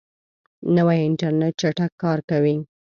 نوی انټرنیټ چټک کار کوي